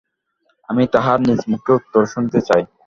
আমি তাঁহার নিজমুখে উত্তর শুনিতে চাই।